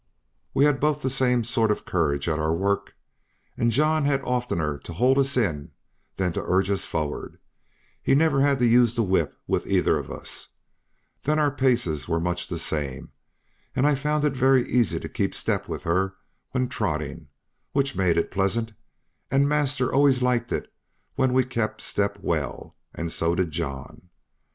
We had both the same sort of courage at our work, and John had oftener to hold us in than to urge us forward; he never had to use the whip with either of us; then our paces were much the same, and I found it very easy to keep step with her when trotting, which made it pleasant, and master always liked it when we kept step well, and so did John.